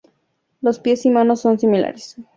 Los pies y manos son similares.